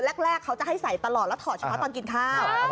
เร็กเขาจะให้ใส่ตลอดละเทาะเช้าตอนกินข้าว